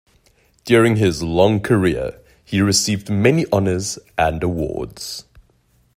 During his long career, he received many honours and awards.